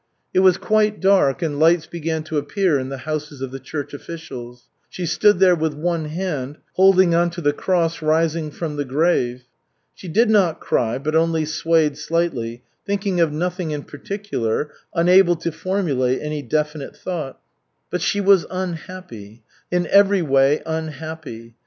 It was quite dark, and lights began to appear in the houses of the church officials. She stood there with one hand holding on to the cross rising from the grave. She did not cry, but only swayed slightly, thinking of nothing in particular, unable to formulate any definite thought. But she was unhappy, in every way unhappy.